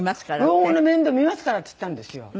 「老後の面倒見ますから」っつったんですよ。